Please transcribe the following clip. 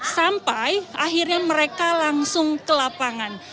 sampai akhirnya mereka langsung ke lapangan